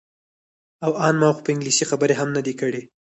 او ان ما خو په انګلیسي خبرې هم نه دي کړې.